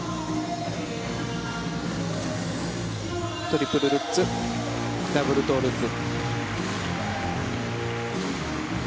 トリプルルッツダブルトウループ。